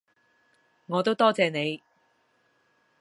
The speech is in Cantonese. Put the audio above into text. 我都多謝你